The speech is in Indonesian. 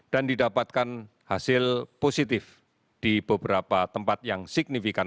dan didapatkan hasil positif di beberapa tempat yang signifikan